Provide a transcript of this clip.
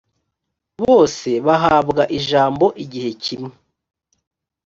bose bahabwa ijambo igihe kimwe.